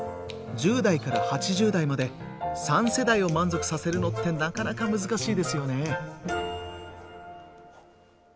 １０代から８０代まで３世代を満足させるのってなかなか難しいですよね。